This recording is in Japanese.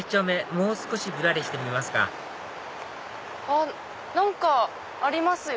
もう少しぶらりしてみますかあっ何かありますよ。